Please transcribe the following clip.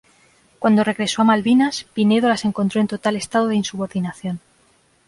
Cuando regresó a Malvinas, Pinedo las encontró en total estado de insubordinación.